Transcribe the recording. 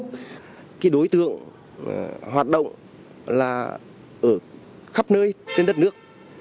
cái đối tượng hoạt động là ở khắp nơi trên đất nước